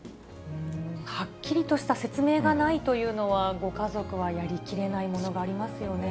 はっきりとした説明がないというのは、ご家族はやりきれないものがありますよね。